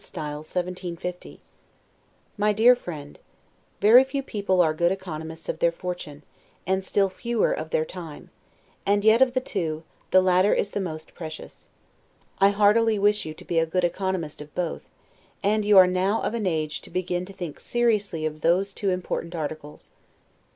S. 1750 MY DEAR FRIEND: Very few people are good economists of their fortune, and still fewer of their time; and yet of the two, the latter is the most precious. I heartily wish you to be a good economist of both: and you are now of an age to begin to think seriously of those two important articles.